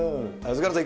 菅原さん